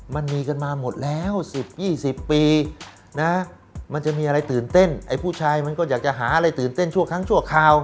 มันมีกันมาหมดแล้ว๑๐๒๐ปีนะมันจะมีอะไรตื่นเต้นไอ้ผู้ชายมันก็อยากจะหาอะไรตื่นเต้นชั่วทั้งชั่วคราว